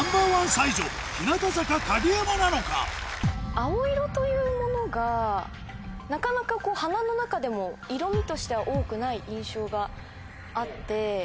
青色というものがなかなか花の中でも色みとしては多くない印象があって。